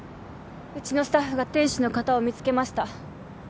うちのスタッフが店主の方を見つけました。